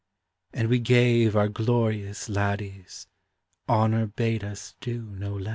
3E3 w gave our glor ious lad dies ; Hon our bade us do no less.